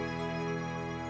perjalanan ke wilayah sawang